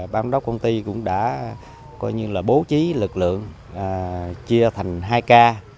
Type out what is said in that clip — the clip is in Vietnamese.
ban đốc công ty cũng đã bố trí lực lượng chia thành hai ca